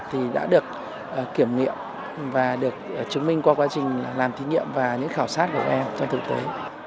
thì đã được kiểm nghiệm và được chứng minh qua quá trình làm thí nghiệm và những khảo sát của các em trong thực tế